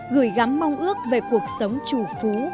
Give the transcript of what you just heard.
gửi gắm mong ước về cuộc sống chủ phú